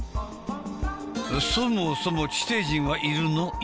そもそも地底人はいるの？